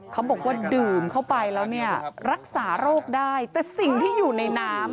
เขาบอกว่าดื่มเข้าไปแล้วเนี่ยรักษาโรคได้แต่สิ่งที่อยู่ในน้ำ